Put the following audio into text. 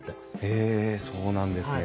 へえそうなんですね。